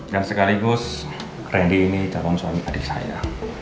dan sekaligus randy ini calon suami adik saya